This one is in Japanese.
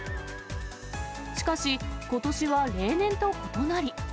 しかし、ことしは例年と異なり。